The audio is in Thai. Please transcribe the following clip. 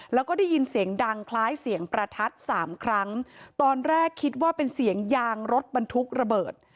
แล้วก็ได้ยินเสียงดังคล้ายเสียงประทัดสามครั้งตอนแรกคิดว่าเป็นเสียงยางรถบรรทุกระเบิด